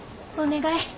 お願い。